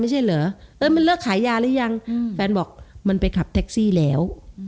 ไม่ใช่เหรอเออมันเลิกขายยาหรือยังแฟนบอกมันไปขับแท็กซี่แล้ว